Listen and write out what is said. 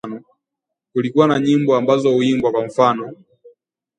kulikuwa na nyimbo ambazo huimbiwa kwa mfano;